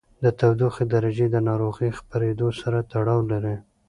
د تودوخې درجې د ناروغۍ خپرېدو سره تړاو لري.